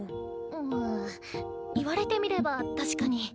うん言われてみれば確かに。